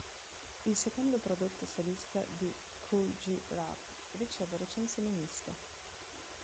Il secondo prodotto solista di Kool G Rap riceve recensioni miste.